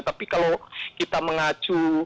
tapi kalau kita mengacu